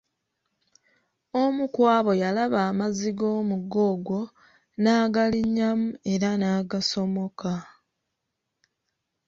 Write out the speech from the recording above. Omu ku abo yalaba amazzi g'omugga ogwo, n'agalinnyamu era n'agasomoka.